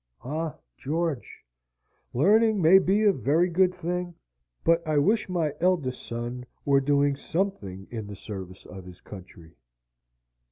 Ah, George! learning may be a very good thing, but I wish my eldest son were doing something in the service of his country!"